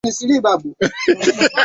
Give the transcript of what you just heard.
la sivyo angewaomba wote wanaounga mkono